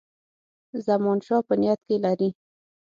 زمانشاه په نیت کې لري.